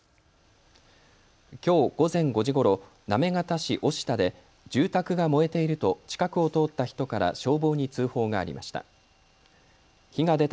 きょう午前５時ごろ行方市於下で住宅が燃えていると近くを通った人から消防に通報がありました。